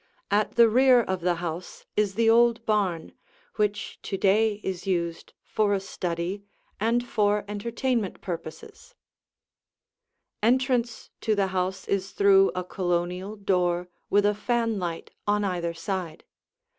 At the rear of the house is the old barn, which to day is used for a study and for entertainment purposes. [Illustration: The Hall] Entrance to the house is through a Colonial door with a fanlight on either side.